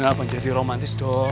ajarin abang jadi romantis dong